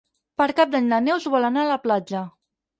Per Cap d'Any na Neus vol anar a la platja.